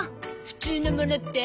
普通のものって？